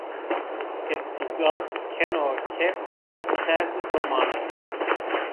Îqtîdar keno ke payan ser de bimano